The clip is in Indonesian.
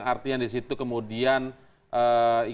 artinya kemudian di situ